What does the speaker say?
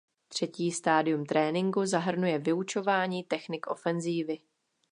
Třetí stádium tréninku zahrnuje vyučování technik ofenzívy.